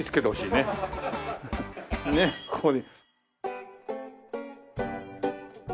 ねっここに。